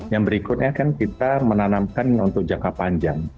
yang berikutnya kan kita menanamkan untuk jangka panjang